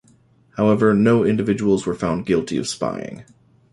However, no individuals were found guilty of spying.